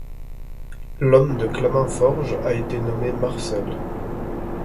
L’homme de Claminforge’ a été nommé ‘Marcel’.